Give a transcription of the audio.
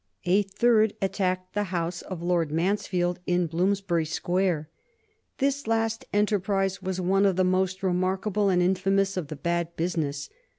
A third attacked the house of Lord Mansfield in Bloomsbury Square. This last enterprise was one of the most remarkable and infamous of the bad business.